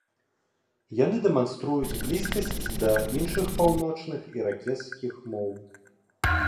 Яны дэманструюць блізкасць да іншых паўночных іракезскіх моў.